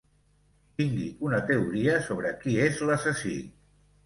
Tingui una teoria sobre qui és l'assassí.